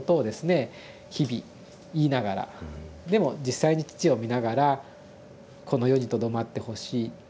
日々言いながらでも実際に父を見ながらこの世にとどまってほしい。